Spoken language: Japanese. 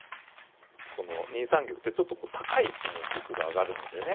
この２三玉ってちょっと高い位置に玉が上がるのでね。